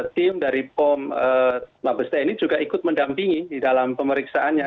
tim dari pom mabes tni juga ikut mendampingi di dalam pemeriksaannya